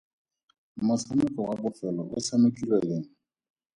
Motshameko wa bofelo o tshamekilwe leng?